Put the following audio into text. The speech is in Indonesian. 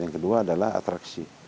yang kedua adalah atraksi